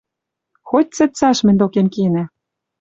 Хоть цецаш мӹнь докем кенӓ».